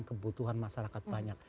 kebutuhan masyarakat banyak